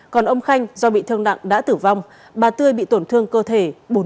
còn ông khanh do bị thương nặng đã tử vong bà tươi bị tổn thương cơ thể bốn mươi bốn